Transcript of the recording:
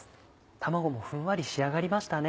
卵もふんわり仕上がりましたね。